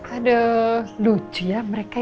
aduh lucu ya mereka ini